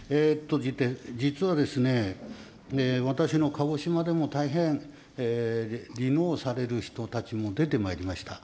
実はですね、私の鹿児島でも大変、離農される人たちも出てまいりました。